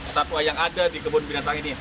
satwa yang ada di kebun binatang ini